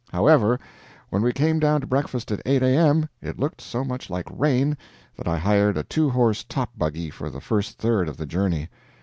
However, when we came down to breakfast at 8 A.M., it looked so much like rain that I hired a two horse top buggy for the first third of the journey.